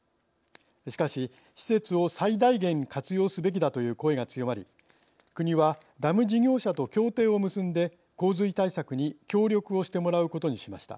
しかし施設を最大限活用すべきだという声が強まり国はダム事業者と協定を結んで洪水対策に協力をしてもらうことにしました。